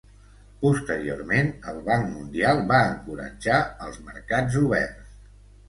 Posteriorment, el Banc Mundial va encoratjar els mercats oberts.